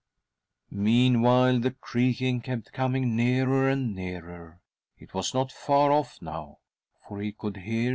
Meanwhile the creaking kept coming nearer and nearer. It was not far off now, for he could hear